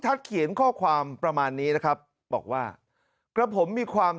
เขียนข้อความประมาณนี้นะครับบอกว่ากระผมมีความ